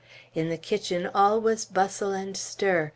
In the kitchen all was bustle and stir.